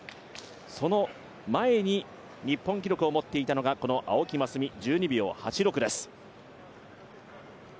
その前に日本記録を持っていたのがこの青木益未、１２秒８６です。